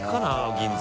銀座。